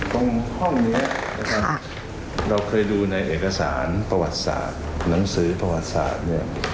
ตรงห้องนี้เราเคยดูในเอกสารประวัติศาสตร์หนังสือประวัติศาสตร์